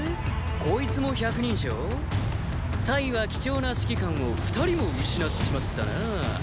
こいつも百人将？は貴重な指揮官を二人も失っちまったなー。